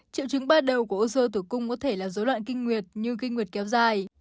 triệu chứng ba đầu của u sơ tử cung có thể là dấu loạn kinh nguyệt như kinh nguyệt kéo dài